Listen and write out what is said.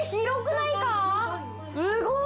すごい！